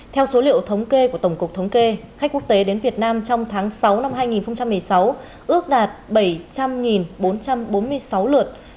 theo số liệu thống kê của tổng cục thống kê khách quốc tế đến việt nam trong tháng sáu năm hai nghìn một mươi sáu ước đạt bảy trăm linh bốn trăm bốn mươi sáu lượt